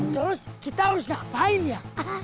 terus kita harus ngapain ya